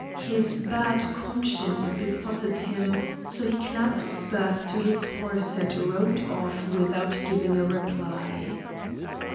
His bad conscience besotted him, so he clapped spurs to his horse and rode off without giving a reply.